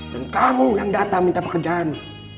dan kamu yang datang minta pekerjaan